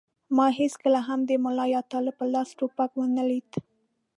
ما هېڅکله هم د ملا یا طالب په لاس ټوپک و نه لید.